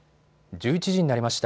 １１時になりました。